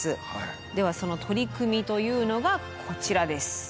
ではその取り組みというのがこちらです。